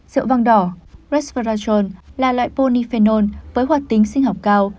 rượu văng đỏ resveratrol là loại ponifenol với hoạt tính sinh học cao